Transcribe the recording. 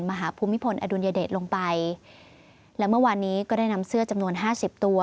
ภูมิพลอดุลยเดชลงไปและเมื่อวานนี้ก็ได้นำเสื้อจำนวนห้าสิบตัว